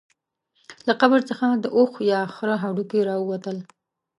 له قبر څخه د اوښ یا خره هډوکي راووتل.